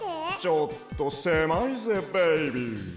ちょっとせまいぜベイビー！